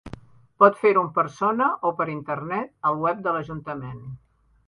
Pot fer-ho en persona o per internet, al web de l'ajuntament.